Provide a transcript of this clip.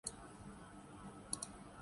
اب بھی بہت ساروں کی عقل ٹھکانے آجائے گی